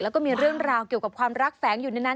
แล้วก็มีเรื่องราวเกี่ยวกับความรักแฝงอยู่ในนั้น